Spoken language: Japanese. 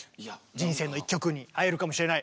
人生の一曲に会えるかもしれない。